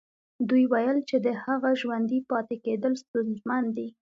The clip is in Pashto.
دوی ويل چې د هغه ژوندي پاتې کېدل ستونزمن دي.